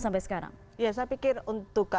sampai sekarang ya saya pikir untuk